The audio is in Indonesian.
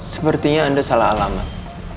sepertinya anda salah alamat